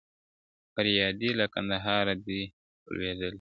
فريادي له كـندهـاره دى لــــــوېــــدلـــــى.